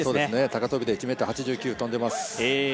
高跳びで１ｍ８９跳んでいます。